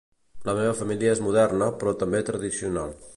La meva família és moderna però també tradicional.